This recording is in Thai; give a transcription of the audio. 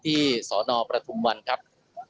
ที่สอนอประทุมวันครับ